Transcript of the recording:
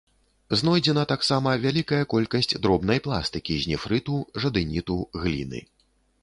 Знойдзена таксама вялікая колькасць дробнай пластыкі з нефрыту, жадэіту, гліны.